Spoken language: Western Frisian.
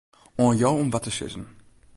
Oan jo om wat te sizzen.